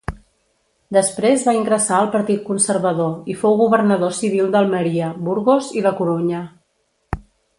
Després va ingressar al Partit Conservador i fou governador civil d'Almeria, Burgos i La Corunya.